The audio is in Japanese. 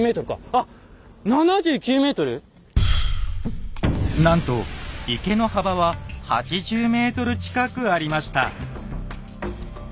あっなんと池の幅は８０ｍ近くありました。